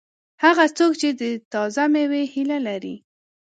هغه څوک چې د تازه مېوې هیله لري.